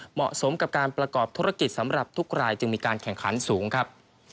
เหมาะสมกับการประกอบธุรกิจสำหรับทุกรายจึงมีการแข่งขันสูงครับ